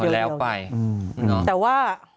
แต่ว่า